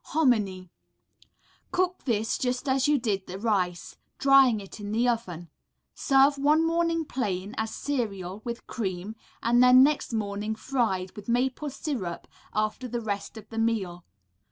Hominy Cook this just as you did the rice, drying it in the oven; serve one morning plain, as cereal, with cream, and then next morning fried, with maple syrup, after the rest of the meal.